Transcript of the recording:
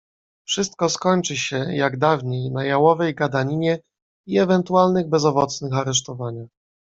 "Wszystko skończy się, jak dawniej, na Jałowej gadaninie i ewentualnych bezowocnych aresztowaniach."